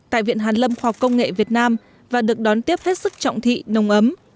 tại viện hàn lâm khoa học công nghệ việt nam và được đón tiếp hết sức trọng thị nồng ấm